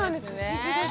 不思議です。